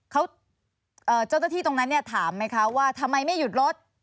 เขาเจ้าหน้าที่ตรงนั้นเนี่ยถามไหมคะว่าทำไมไม่หยุดรถ